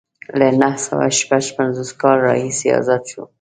له نهه سوه شپږ پنځوس کال راهیسې ازاد شو.